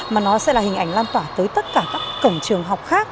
mà nó sẽ là hình ảnh lan tỏa tới tất cả các cổng trường học khác